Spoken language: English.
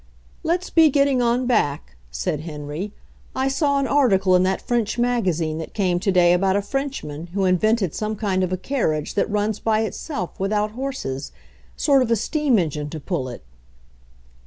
"Let's be getting on back," said Henry. "I saw an article in that French magazine that came to day about a Frenchman who invented some kind of a carriage that runs by itself, without horses — sort of a steam engine to pull it."